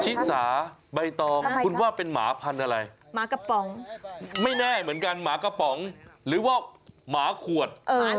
ชิ๊มสาใบตองคุณว่าเป็นหมาพันธุ์อะไรไม้ไหนกันหมากะปำหรือว่าหมาขวด